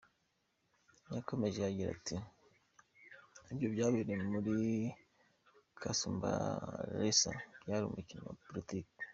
Yakomeje agira ati “Ibyo byabereye muri Kasumbalesa byari umukino wa politiki.